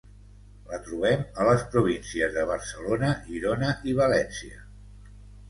La trobem a les províncies de Barcelona, Girona i València.